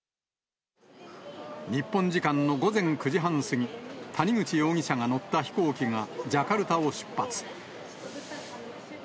日本時間の午前９時半過ぎ、谷口容疑者が乗った飛行機がジャカルタを出発。